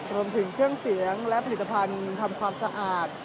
รวมถึงเครื่องเสียงและผลิตภัณฑ์ทำความสะอาด